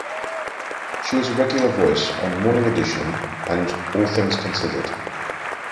She was a regular voice on "Morning Edition" and "All Things Considered".